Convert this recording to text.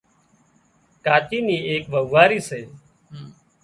ڪاچي نِي ايڪ وئوئاري سي